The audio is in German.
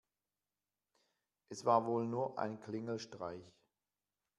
Es war wohl nur ein Klingelstreich.